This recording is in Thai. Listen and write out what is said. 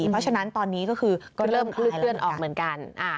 เพราะฉะนั้นตอนนี้ก็คือก็เริ่มเคลื่อนออกเหมือนกัน